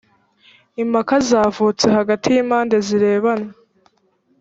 impaka zavutse hagati y impande zirebana